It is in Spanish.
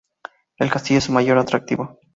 El castillo es su mayor atractivo.